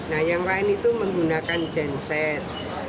nah yang lain itu menggunakan genset